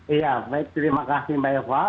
iya terima kasih banyak pak